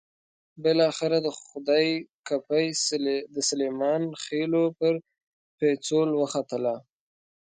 بالاخره د خدۍ کپۍ د سلیمان خېلو پر پېڅول وختله.